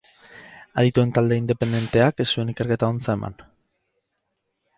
Adituen talde independenteak ez zuen ikerketa ontza eman.